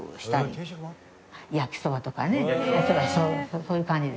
そういう感じですね。